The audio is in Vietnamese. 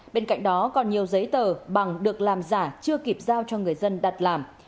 bên cạnh đó còn nhiều giấy tờ bằng được làm giả chưa kịp giao cho người dân đặt làm